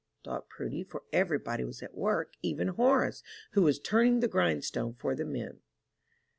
thought Prudy, for every body was at work, even Horace, who was turning the grindstone for the men.